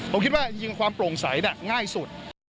ผมคิดว่าจริงความโปร่งใสง่ายสุด